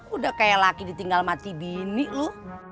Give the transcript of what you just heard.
udah kayak laki ditinggal mati bini loh